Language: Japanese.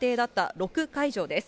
６会場です。